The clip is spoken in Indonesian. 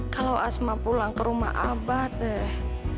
kalau asma pulang ke rumah abad deh